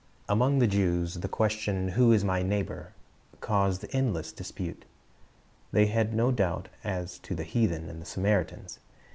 AMONG the Jews the question, "Who is my neighbor?" caused endless dispute. They had no doubt as to the heathen and the Samaritans.